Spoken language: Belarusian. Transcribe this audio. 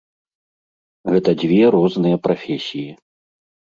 Гэта дзве розныя прафесіі.